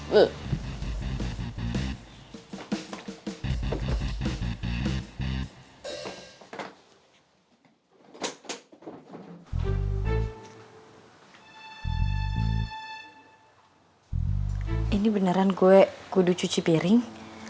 loh ini beneran gue kudu cuci piring